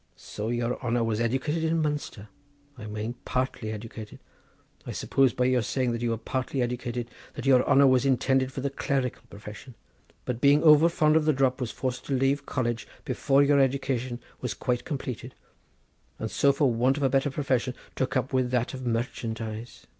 So your honour was edicated in Munster, I mane partly edicated. I suppose by your saying that you were partly edicated, that your honour was intended for the clerical profession, but being over fond of the drop was forced to lave college before your edication was quite completed, and so for want of a better profession took up with that of merchandise.